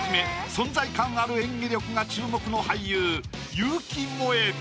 存在感ある演技力が注目の俳優結城モエ。